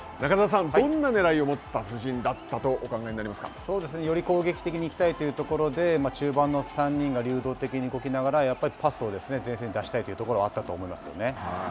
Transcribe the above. どんなねらいを持った布陣だったより攻撃的に行きたいというところで、中盤の３人が流動的に動きながらやっぱりパスを前線に出したいというところはあったと思いますよ